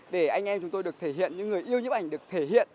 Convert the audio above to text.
để anh em chúng tôi được thể hiện những người yêu nhấp ảnh được thể hiện